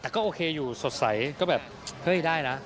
แต่ก็โอเคอยู่สดใสก็แบบเฮ้ยได้นะ